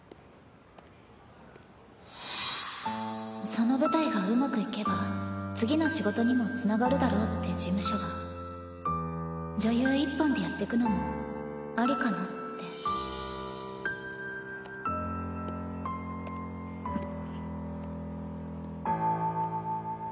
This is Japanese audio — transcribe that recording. その舞台がうまくいけば次の仕事にもつながるだろうって事務所が女優一本でやってくのもありかなってんっ。